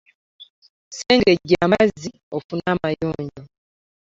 Sengejja amazzi ofune amayonjo.